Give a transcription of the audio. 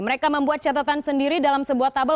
mereka membuat catatan sendiri dalam sebuah tabel